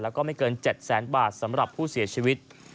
และไม่เกิน๗๐๐๐๐๐บาทสำหรับผู้เสียชีวิต